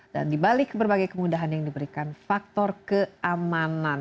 dan di balik berbagai kemudahan yang diberikan faktor keamanan